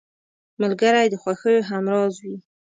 ملګری د خوښیو همراز وي